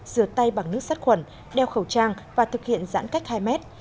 rửa tay bằng nước sát khuẩn đeo khẩu trang và thực hiện giãn cách hai mét